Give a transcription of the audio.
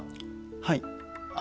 はい。